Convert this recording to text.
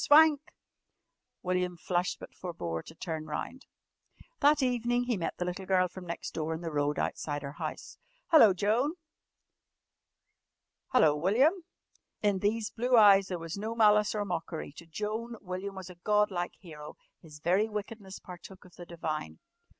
"Swank!" William flushed but forbore to turn round. That evening he met the little girl from next door in the road outside her house. "Hello, Joan!" "Hello, William!" In these blue eyes there was no malice or mockery. To Joan William was a god like hero. His very wickedness partook of the divine.